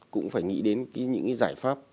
cũng phải nghĩ đến những cái giải pháp